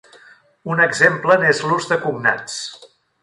Un exemple n'és l'ús de cognats.